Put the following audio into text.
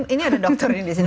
ini ada dokter ini di sini